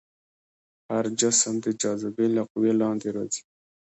هر جسم د جاذبې له قوې لاندې راځي.